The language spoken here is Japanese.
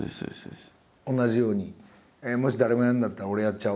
同じようにもし誰もやらないんだったら俺やっちゃおうとか。